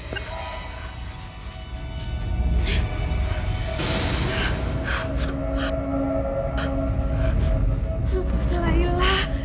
bawa dia keluar